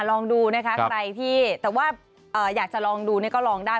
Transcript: ลองดูใครพี่แต่ว่าอยากจะลองดูก็ลองได้